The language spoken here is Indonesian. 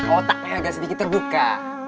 otaknya agak sedikit terbuka